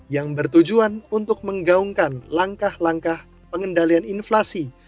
yang bertujuan untuk menggaungkan langkah langkah pengendalian inflasi